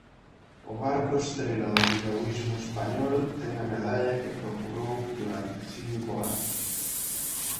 O barco estrela do piragüismo español ten a medalla que procurou durante cinco anos.